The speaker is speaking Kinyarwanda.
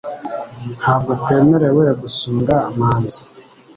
Ntabwo twemerewe gusura manzi